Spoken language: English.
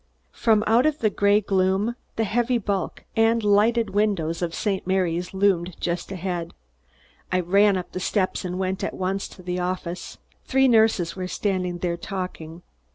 From out the gray gloom, the heavy bulk and lighted windows of St. Mary's loomed just ahead. I ran up the steps and went at once to the office. Three nurses were standing there talking.